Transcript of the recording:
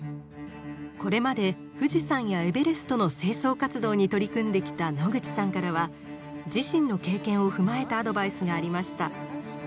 これまで富士山やエベレストの清掃活動に取り組んできた野口さんからは自身の経験を踏まえたアドバイスがありました。